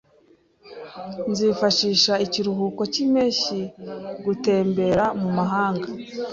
Nzifashisha ikiruhuko cyimpeshyi gutembera mumahanga.